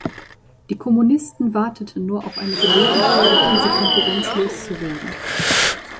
Die Kommunisten warteten nur auf eine Gelegenheit, diese Konkurrenz loszuwerden.